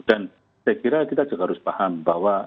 dan saya kira kita juga harus paham bahwa